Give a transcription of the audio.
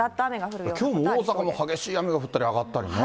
きょうも大阪も激しい雨が降ったり、上がったりね。